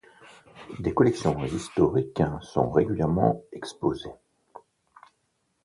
Des collections historiques sont régulièrement exposées.